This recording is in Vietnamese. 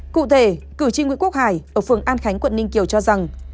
cụ thể cử tri nguyễn quốc hải ở phường an khánh quận ninh kiều cho rằng